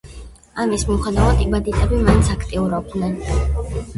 ამის მიუხედავად იბადიტები მაინც აქტიურობდნენ.